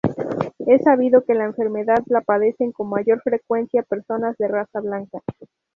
Es sabido que la enfermedad la padecen con mayor frecuencia personas de raza blanca.